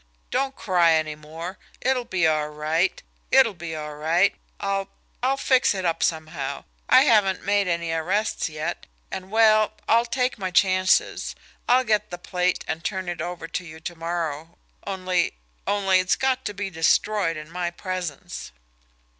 "Don't cry any more. It'll be all right it'll be all right. I'll I'll fix it up somehow. I haven't made any arrests yet, and well, I'll take my chances. I'll get the plate and turn it over to you to morrow, only only it's got to be destroyed in my presence."